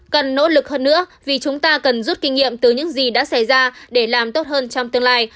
cần nỗ lực hơn nữa vì chúng ta cần rút kinh nghiệm từ những gì đã xảy ra để làm tốt hơn trong tương lai